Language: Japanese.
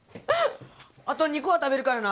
あと２個は食べるからな。